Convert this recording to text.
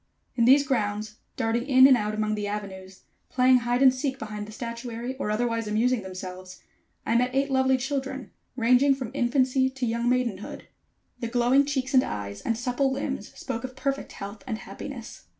In these grounds, darting in and out among the avenues, playing hide and seek behind the statuary, or otherwise amusing themselves, I met eight lovely children, ranging from infancy to young maidenhood. The glowing cheeks and eyes, and supple limbs spoke of perfect health and happiness.